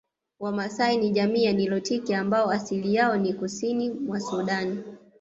Wamaasai ni jamii ya nilotiki ambao asili yao ni Kusini mwa Sudani